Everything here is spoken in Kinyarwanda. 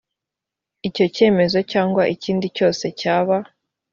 icyo cyemezo cyangwa ikindi cyose cyaba